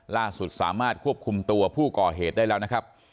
ล่าสุดสามารถควบคุมตัวผู้ก่อเหตุได้แล้วนะครับ